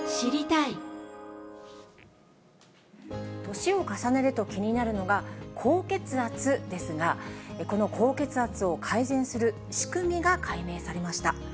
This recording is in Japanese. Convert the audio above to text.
年を重ねると気になるのが、高血圧ですが、この高血圧を改善する仕組みが解明されました。